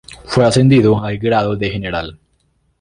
Fue ascendido al grado de general.